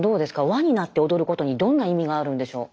輪になって踊ることにどんな意味があるんでしょう？